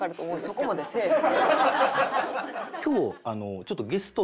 そこまでせえへん。